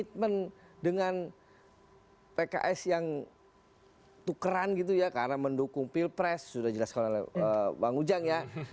komitmen dengan pks yang tukeran gitu ya karena mendukung pilpres sudah jelaskan oleh bang ujang ya